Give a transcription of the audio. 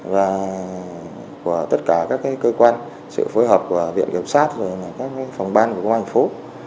và của tất cả các cơ quan sự phối hợp của viện kiểm sát các phòng ban của công an thành phố